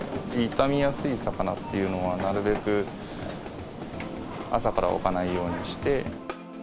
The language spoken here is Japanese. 傷みやすい魚っていうのは、なるべく朝から置かないようにして。